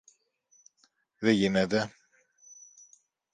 Δε γίνεται!